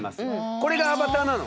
これがアバターなの？